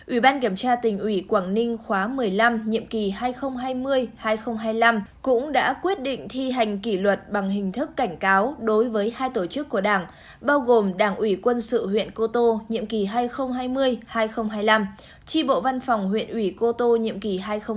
ủy ban kiểm tra tỉnh ủy quảng ninh khóa một mươi năm nhiệm kỳ hai nghìn hai mươi hai nghìn hai mươi năm cũng đã quyết định thi hành kỷ luật bằng hình thức cảnh cáo đối với hai tổ chức của đảng bao gồm đảng ủy quân sự huyện cô tô nhiệm kỳ hai nghìn hai mươi hai nghìn hai mươi năm tri bộ văn phòng huyện ủy cô tô nhiệm kỳ hai nghìn hai mươi hai nghìn hai mươi năm